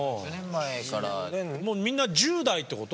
みんな１０代ってこと？